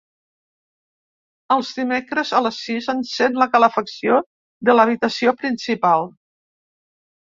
Els dimecres a les sis encèn la calefacció de l'habitació principal.